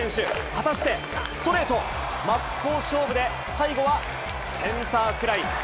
果たして、ストレート、真っ向勝負で、最後はセンターフライ。